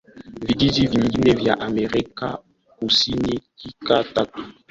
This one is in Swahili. vijiji vingine vya Amerika Kusini Kika tatu